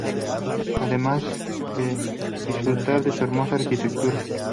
Además de disfrutar de su hermosa arquitectura.